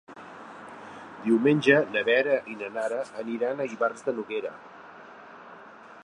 Diumenge na Vera i na Nara aniran a Ivars de Noguera.